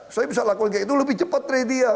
saya bisa lakukan kayak itu lebih cepat tredia